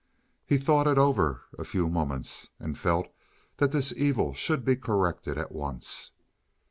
He thought it over a few moments, and felt that this evil should be corrected at once.